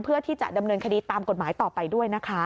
เพื่อที่จะดำเนินคดีตามกฎหมายต่อไปด้วยนะคะ